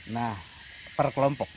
nah per kelompok